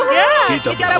ya kita berhasil